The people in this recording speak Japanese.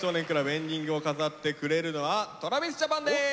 エンディングを飾ってくれるのはＴｒａｖｉｓＪａｐａｎです！